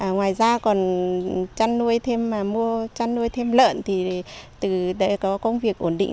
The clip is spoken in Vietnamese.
ngoài ra còn chăn nuôi thêm lợn để có công việc ổn định